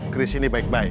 kris ini baik baik